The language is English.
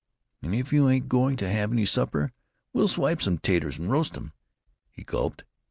And if you ain't going to have any supper we'll swipe some 'taters and roast 'em." He gulped.